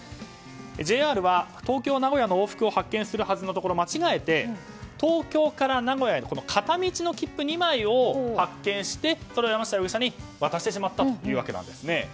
ＪＲは東京名古屋の往復を発券するはずのところ間違えて、東京名古屋の片道の切符を２枚発券して、山下容疑者に渡してしまったんですね。